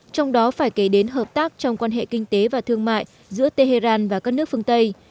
trong đó phải kể đến hợp tác trong quan hệ kinh tế và thương mại giữa tehran và các nước phương tây